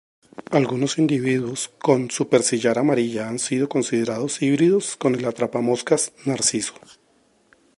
Algunos individuos con superciliar amarilla han sido considerados híbridos con el atrapamoscas narciso.